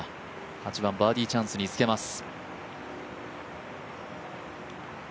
８番、バーディーチャンスにつけます。